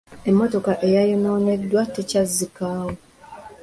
Emmotoka eyayonooneddwa tekyazzikawo.